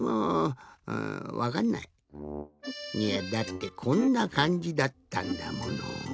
いやだってこんなかんじだったんだもの。